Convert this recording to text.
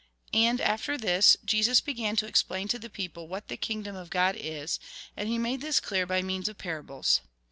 And, after this, Jesus began to explain to the people what the kingdom of God is, and he made this clear by means of parables.